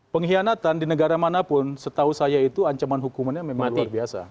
pengkhianatan di negara manapun setahu saya itu ancaman hukumannya memang luar biasa